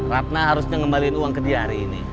ratna harusnya ngembalin uang ke dia hari ini